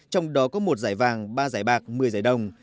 trong đó có một giải vàng ba giải bạc một mươi giải đồng